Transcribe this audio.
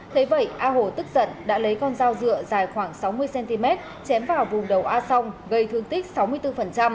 thế vậy a hồ tức giận đã lấy con dao dựa dài khoảng sáu mươi cm chém vào vùng đầu a song gây thương tích sáu mươi bốn